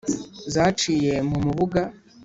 zaciye mu mubuga